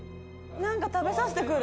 何か食べさせて来る。